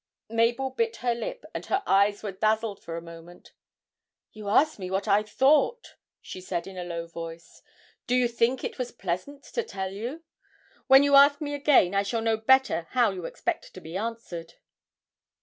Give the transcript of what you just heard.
Mabel bit her lip, and her eyes were dazzled for a moment: 'You asked me what I thought,' she said in a low voice; 'do you think it was pleasant to tell you? When you ask me again, I shall know better how you expect to be answered!'